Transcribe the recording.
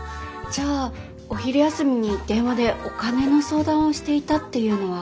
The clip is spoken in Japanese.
じゃあお昼休みに電話でお金の相談をしていたっていうのは？